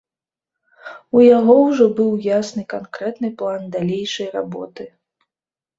У яго ўжо быў ясны, канкрэтны план далейшай работы.